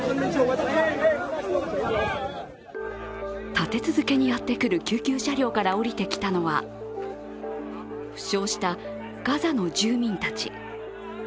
立て続けにやってくる救急車両から降りてきたのは負傷したガザの住民たち。